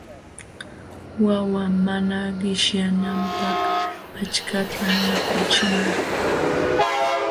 Wawa mana qishyananpaq achkatam mikuchina.